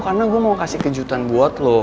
karena gua mau ngasih kejutan buat lu